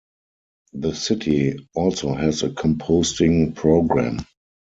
The city also has a composting program.